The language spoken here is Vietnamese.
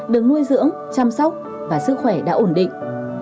được nuôi dưỡng chăm sóc và sức khỏe đã ổn định